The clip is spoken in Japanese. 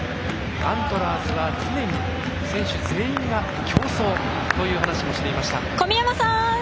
アントラーズは常に選手全員が競争という話もしていました。